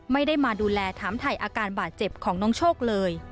ไม่ได้มาดูแลถามถ่ายอาการบาดเจ็บของน้องโชคเลย